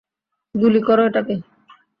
গুলি করো এটাকে!